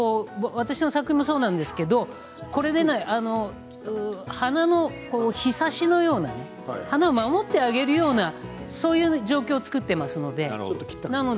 私の作品もそうなんですけれど花の、ひさしのような花を守ってあげるようなそういう状況を作っていますので。